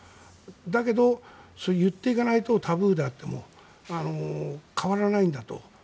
だけど、言っていかないとタブーだったりして変わらないんだと。